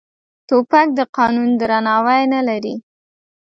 توپک د قانون درناوی نه لري.